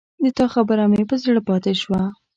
د تا خبره مې پر زړه پاته شوه